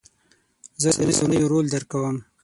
زه د رسنیو رول درک کوم.